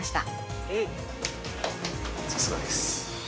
さすがです。